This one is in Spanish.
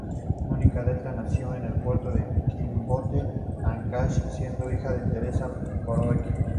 Mónica Delta, nació en el puerto de Chimbote, Áncash, siendo hija de Teresa Parodi.